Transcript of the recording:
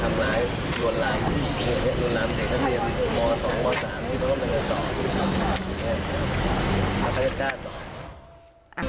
ทำร้ายหลวนลามผู้หญิงอย่างเนี้ยหลวนลามเด็กนักเรียนม๒ม๓ที่เขาต้องเป็นการสอบ